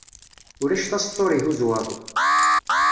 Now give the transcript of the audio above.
Ulac taseṭṭa ur ihuzz waḍu.